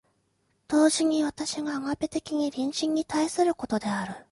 同時に私がアガペ的に隣人に対することである。